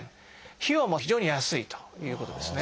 費用も非常に安いということですね。